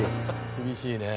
厳しいね。